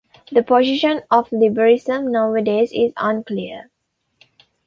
The position of liberalism nowadays is unclear.